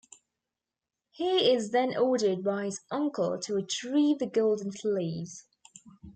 He is then ordered by his uncle to retrieve the golden fleece.